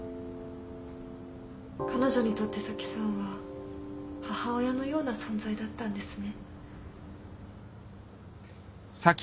彼女にとって早紀さんは母親のような存在だったんですね。